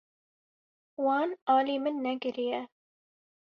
Wan alî min nekiriye.